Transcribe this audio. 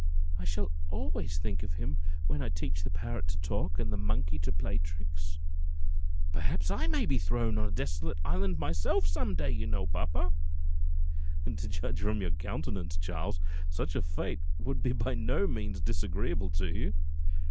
I shall always think of him when I teach the parrot to talk, and the monkey to play tricks. Perhaps I may be thrown on a desolate island myself, some day, you know, papa." "To judge from your countenance, Charles, such a fate would be by no means disagreeable to you."